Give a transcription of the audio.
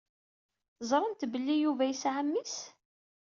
Teẓṛamt belli Yuba yesɛa mmi-s?